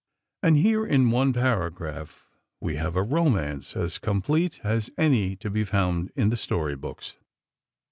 And here, in one paragraph, we have a romance as complete as any to be found in the story books.